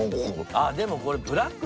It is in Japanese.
あっでもこれ。